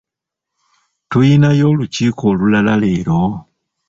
Tuyinayo olukiiko olulala leero?